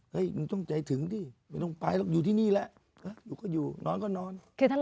หนูต้องใจถึงดิไม่ต้องไปหรอกอยู่ที่นี่แหละหนูก็อยู่นอนก็นอน